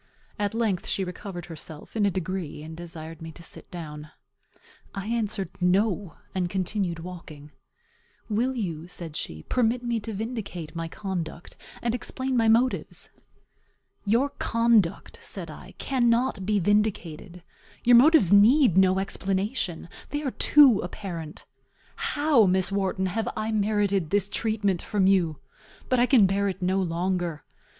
At length she recovered herself, in a degree, and desired me to sit down. I answered, No, and continued walking. "Will you," said she, "permit me to vindicate my conduct, and explain my motives?" "Your conduct," said I, "cannot be vindicated; your motives need no explanation; they are too apparent. How, Miss Wharton, have I merited this treatment from you? But I can bear it no longer.